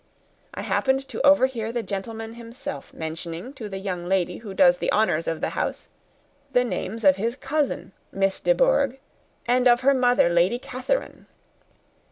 I happened to overhear the gentleman himself mentioning to the young lady who does the honours of this house the names of his cousin Miss De Bourgh, and of her mother, Lady Catherine.